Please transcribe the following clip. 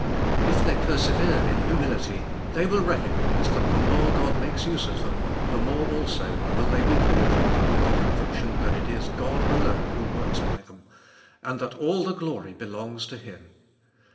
If they persevere in humility, they will recognise that the more <!™i makes use of them, the more also will they be penetrated with Ihe conviction that it is God alone who works by them, and that all the gio rv belongs to Him.